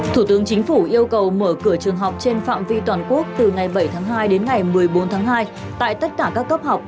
thủ tướng chính phủ yêu cầu mở cửa trường học trên phạm vi toàn quốc từ ngày bảy tháng hai đến ngày một mươi bốn tháng hai tại tất cả các cấp học